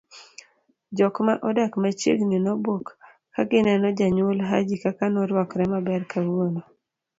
jok ma odak machiegni nobuok kagineno jonyuol Haji kaka noruakre maber kawuono